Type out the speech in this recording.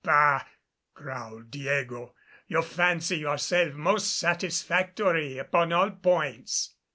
"Bah!" growled Diego. "You fancy yourself most satisfactory upon all points."